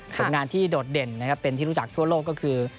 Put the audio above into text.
ผลงานที่โดดเด่นนะครับเป็นที่รู้จักทั่วโลกก็คือ